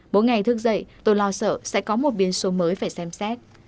mỗi ngày thức dậy tôi lo sợ sẽ có một biến số mới phải xem xét